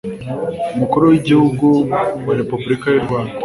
umukuru wigihugu wa Repubulika y'urwanda